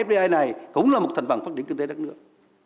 fdi này cũng là một thành phần phát triển kinh tế đất nước